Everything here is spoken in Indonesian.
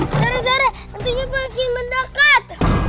zara zara tentunya bagi mendekat